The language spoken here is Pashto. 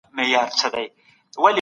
ارقام او اعداد په دقت راټول کړئ.